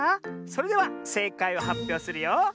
それではせいかいをはっぴょうするよ。